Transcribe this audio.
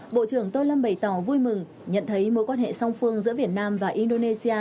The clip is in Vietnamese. bộ trưởng tô lâm bày tỏ vui mừng nhận thấy mối quan hệ song phương giữa việt nam và indonesia